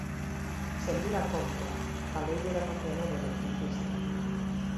Sen vir a conto, faleille da condena do electricista.